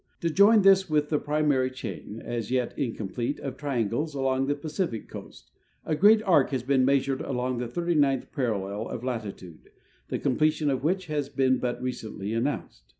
To join this with the pri mary chain, as yet incomplete, of triangles along the Pacific coast, a great arc has been measured along the 39th parallel of latitude, the completion of which has been but recently an nounced.